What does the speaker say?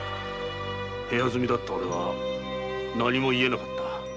部屋住みだった俺は何も言えなかった。